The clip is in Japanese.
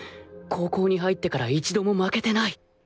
高校に入ってから一度も負けてない！